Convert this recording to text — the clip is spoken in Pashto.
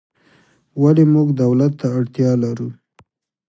ولې موږ دولت ته اړتیا لرو؟